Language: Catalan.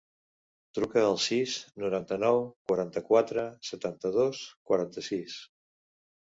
Truca al sis, noranta-nou, quaranta-quatre, setanta-dos, quaranta-sis.